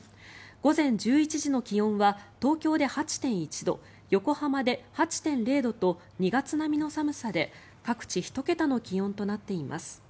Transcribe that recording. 午前１１時の気温は東京で８．１度横浜で８．０度と２月並みの寒さで各地１桁の気温となっています。